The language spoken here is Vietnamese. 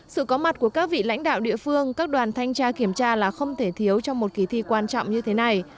sự có mặt của các vị lãnh đạo địa phương các đoàn thanh tra kiểm tra là không thể thiếu trong một kỳ thi quan trọng như thế này